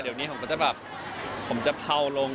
เดี๋ยวนี้ผมก็จะแบบผมจะเผาลง